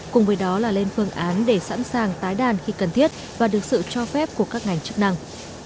cùng với đó là lên phương án để sẵn sàng tái đàn khi cần thiết và được sự cho phép của các ngành chức năng